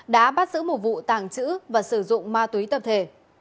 đã bắt giữ một vụ tàng trữ và sử dụng ma túy tập thể